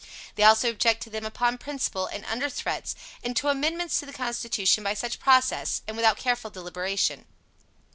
They also object to them upon principle, and under threats, and to amendments to the Constitution by such process, and without careful deliberation.